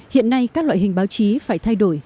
hiện nay các loại hình báo chí phải thay đổi